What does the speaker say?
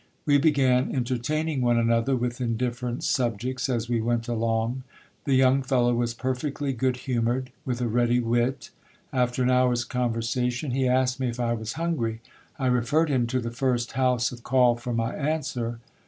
We began entertaining one another with indiffer ent subjects as we went along. The young fellow was perfectly good humoured, with a ready wit. After an hour's conversation, he asked me if I was hungry. I referred him to the first house of call for my answer.